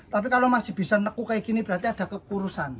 tapi kalau masih bisa neku kayak gini berarti ada kekurusan